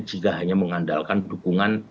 jika hanya mengandalkan dukungan